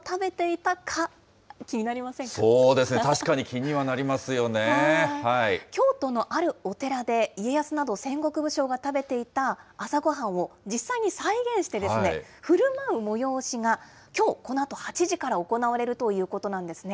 確かに気にはな京都のあるお寺で、家康など戦国武将が食べていた朝ごはんを、実際に再現して、ふるまう催しが、きょう、このあと８時から行われるということなんですね。